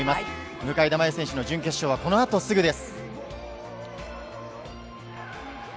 向田真優選手の準決勝はこのあとすぐです。